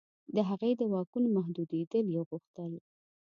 د هغې د واکونو محدودېدل یې غوښتل.